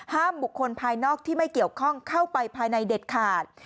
บุคคลภายนอกที่ไม่เกี่ยวข้องเข้าไปภายในเด็ดขาด